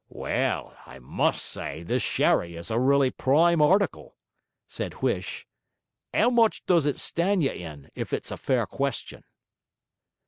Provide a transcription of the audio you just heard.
'Well, I must say this sherry is a really prime article,' said Huish. ''Ow much does it stand you in, if it's a fair question?'